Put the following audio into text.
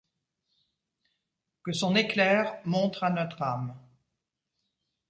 Que son éclair montre à notre âme